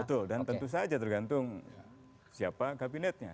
betul dan tentu saja tergantung siapa kabinetnya